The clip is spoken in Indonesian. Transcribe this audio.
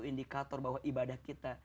indikator bahwa ibadah kita